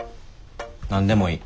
何でもいい。